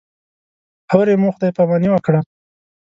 هورې مو خدای پاماني وکړه.